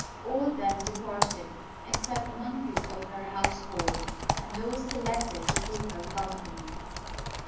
All then departed, except the monkeys of her household, and those selected to keep her company.